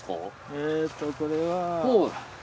えっとこれは。